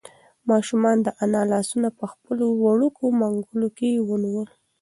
ماشوم د انا لاسونه په خپلو وړوکو منگولو کې ونیول.